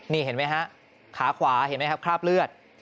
นี่เห็นไหมฮะขาขวาเห็นไหมครับคราบเลือด